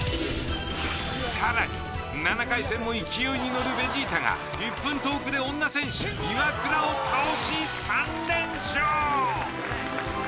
さらに７回戦も勢いに乗るベジータが１分トークで女戦士イワクラを倒し。